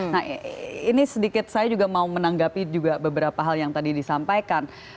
nah ini sedikit saya juga mau menanggapi juga beberapa hal yang tadi disampaikan